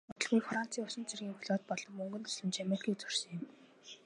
Удалгүй францын усан цэргийн флот болон мөнгөн тусламж америкийг зорьсон юм.